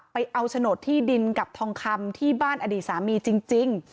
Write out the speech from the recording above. ไปเอาโฉนดที่ดินกับทองคำที่บ้านอดีตสามีจริง